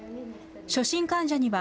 初診患者には、